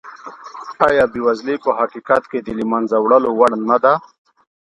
ایا بېوزلي په حقیقت کې د له منځه وړلو وړ نه ده؟